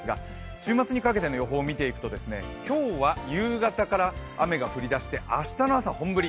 週末にかけての予報を見ると今日は夕方から雨が降り出して明日の朝、本降り。